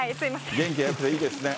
元気がよくていいですね。